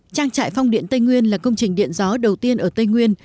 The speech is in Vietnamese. trang trại phong điện tây nguyên là công trình điện gió đầu tiên ở tây nguyên